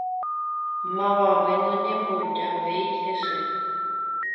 Mavave noñembojavéi hese